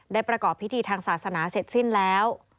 ประกอบพิธีทางศาสนาเสร็จสิ้นแล้ว